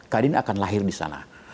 kadin akan lahir di sana